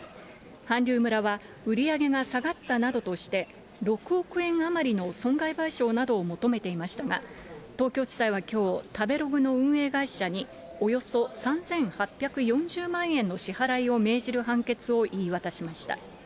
韓流村は、売り上げが下がったなどとして、６億円余りの損害賠償などを求めていましたが、東京地裁はきょう、食べログの運営会社に、およそ３８４０万円の支払いを命じる判決を言い渡しました。